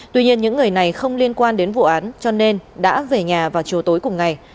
tuy nhiên những người này không liên quan đến vụ án cho nên đã về nhà vào chiều tối cùng ngày